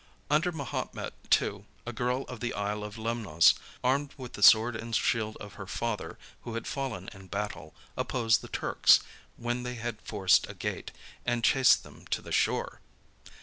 Under Mahomet II. a girl of the isle of Lemnos, armed with the sword and shield of her father, who had fallen in battle, opposed the Turks, when they had forced a gate, and chased them to the shore.